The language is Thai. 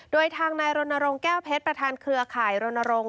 โดยทางนายรณรงค์แก้วเพชรประธานเครือข่ายรณรงค์